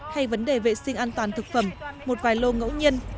hay vấn đề vệ sinh an toàn thực phẩm một vài lô ngẫu nhiên